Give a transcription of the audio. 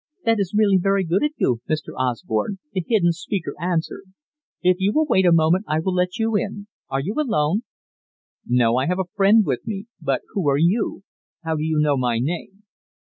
"That is really very good of you, Mr. Osborne," the hidden speaker answered. "If you will wait a moment I will let you in. Are you alone?" "No, I have a friend with me. But who are you? How do you know my name?"